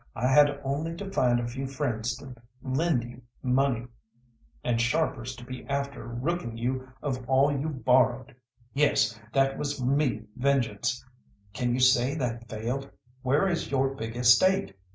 I had only to find a few friends to lend you me money, and sharpers to be after rooking you of all you borrowed. Yes, that was me vengeance; can you say that failed? Where is your big estate?